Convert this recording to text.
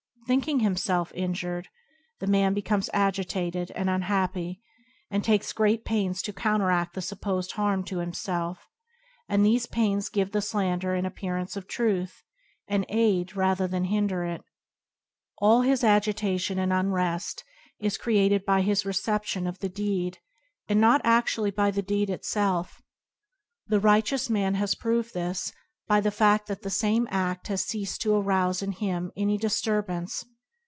Thinking himself injured, the man becomes agitated and unhappy, and takes great pains to counteradthe supposed harm to himself, and these very pains give the slander an appearance of truth, and aid rather than hinder it. All his agitation and unrest is created by his reception of the deed, [ H] lBotip and Circumstance and not a&ually by the deed itself. The righteous man has proved this by the fad: that the same a& has ceased to arouse in him any disturbance.